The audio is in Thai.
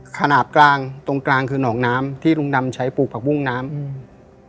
ขนาดกลางตรงกลางคือหนองน้ำที่ลุงดำใช้ปลูกผักบุ้งน้ำอืม